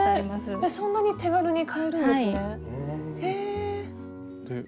そんなに手軽に買えるんですね。